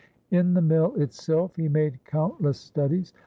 In the mill itself he made countless studies.